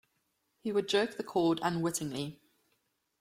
He would jerk the cord unwittingly.